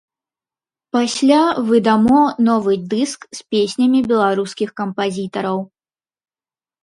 Пасля выдамо новы дыск з песнямі беларускіх кампазітараў.